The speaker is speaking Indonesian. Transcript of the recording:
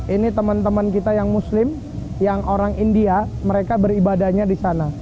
ini teman teman kita yang muslim yang orang india mereka beribadahnya di sana